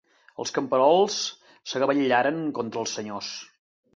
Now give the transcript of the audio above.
Els camperols s'agabellaren contra els senyors.